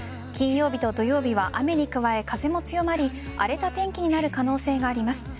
金曜日と土曜日は雨に加え風も強まり荒れた天気になる可能性があります。